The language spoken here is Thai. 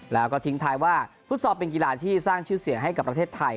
แล้วก็ทิ้งท้ายว่าฟุตซอลเป็นกีฬาที่สร้างชื่อเสียงให้กับประเทศไทย